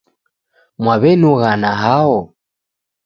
Mwaw'enughana hao?